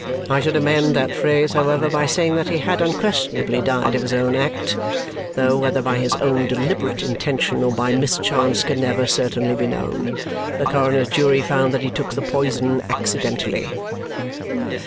I should amend that phrase, however, by saying that he had unquestionably died of his own act, though whether by his own deliberate intention or by mischance can never certainly be known. The coroner's jury found that he took the poison accidentally."